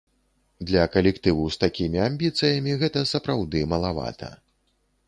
Для калектыву з такімі амбіцыямі гэта сапраўды малавата.